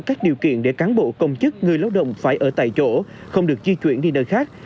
các điều kiện để cán bộ công chức người lao động phải ở tại chỗ không được di chuyển đi nơi khác